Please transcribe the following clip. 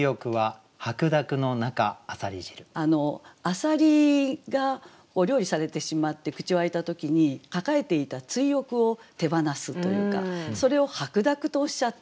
浅蜊がお料理されてしまって口を開いた時に抱えていた追憶を手放すというかそれを「白濁」とおっしゃった。